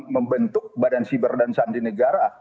membentuk badan siber dan sandi negara